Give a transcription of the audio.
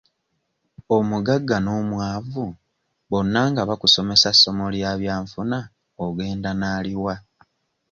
Omugagga n'omwavu bonna nga bakusomesa ssomo lya byanfuna ogenda n'ali wa?